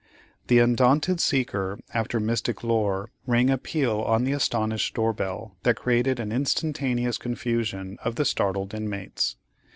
The undaunted seeker after mystic lore rang a peal on the astonished door bell that created an instantaneous confusion of the startled inmates.